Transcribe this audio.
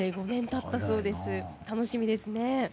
楽しみですね。